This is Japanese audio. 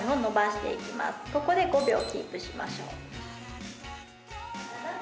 ここで５秒キープしましょう。